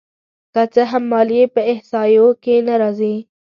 که څه هم ماليې په احصایو کې نه راځي